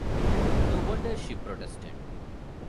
No wonder she protested.